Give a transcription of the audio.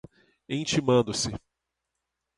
intimando-se